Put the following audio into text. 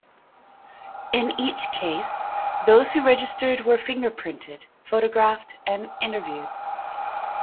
In each case, those who registered were fingerprinted, photographed, and interviewed.